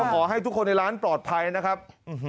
ขอให้ทุกคนในร้านปลอดภัยนะครับ